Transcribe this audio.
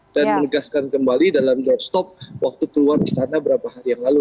dan menegaskan kembali dalam drop stop waktu keluar istana berapa hari yang lalu